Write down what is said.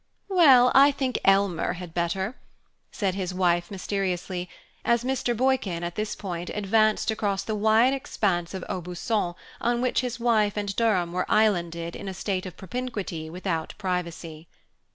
"Well, I think Elmer had better," said his wife mysteriously, as Mr. Boykin, at this point, advanced across the wide expanse of Aubusson on which his wife and Durham were islanded in a state of propinquity without privacy.